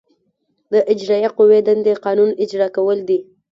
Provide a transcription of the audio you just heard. د اجرائیه قوې دندې قانون اجرا کول دي.